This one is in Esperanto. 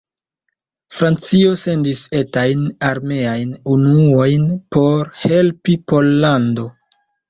Francio sendis etajn armeajn unuojn por helpi Pollandon.